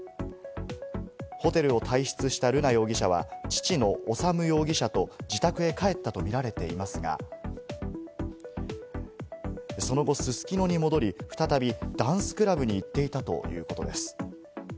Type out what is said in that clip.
ホテルを退出した瑠奈容疑者は父の修容疑者と自宅へ帰ったとみられていますが、その後、すすきのに戻り、再び、ダンスクラブに行っていたということです。